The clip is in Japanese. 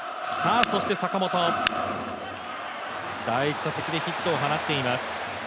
坂本、第１打席でヒットを放っています。